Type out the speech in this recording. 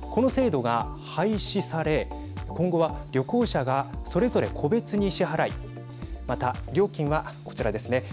この制度が廃止され今後は旅行者が、それぞれ個別に支払いまた、料金はこちらですね。